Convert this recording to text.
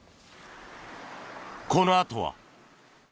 このあとは。